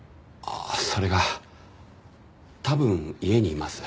それが多分家にいます。